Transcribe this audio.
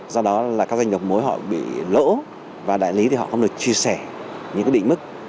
do đó là các doanh nghiệp mối họ bị lỗ và đại lý thì họ không được chia sẻ những định mức